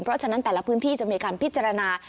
เพราะฉะนั้นแต่ละพื้นที่จะมีการพิจารณา